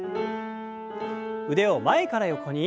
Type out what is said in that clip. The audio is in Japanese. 腕を前から横に。